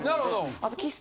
あと。